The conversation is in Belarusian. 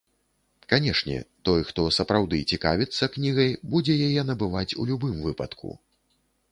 Канешне, той, хто сапраўды цікавіцца кнігай, будзе яе набываць у любым выпадку.